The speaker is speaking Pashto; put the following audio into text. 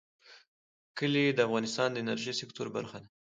کلي د افغانستان د انرژۍ سکتور برخه ده.